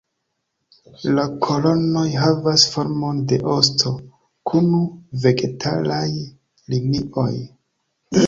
La kolonoj havas formon de osto, kun vegetalaj linioj.